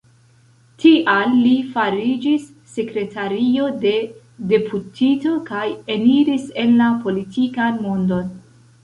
Tial li fariĝis sekretario de deputito, kaj eniris en la politikan mondon.